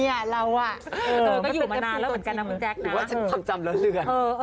หรือว่าฉันพิจำเรื่อย